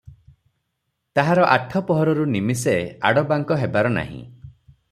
ତାହାର ଆଠ ପହରରୁ ନିମିଷେ ଆଡ଼ବାଙ୍କ ହେବାର ନାହିଁ ।